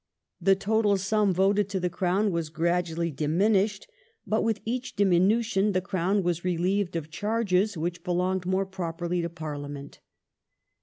The total sum voted to the Crown was gradually diminished, but with each diminution the Crown was relieved of charges which belonged more properly to Parliament.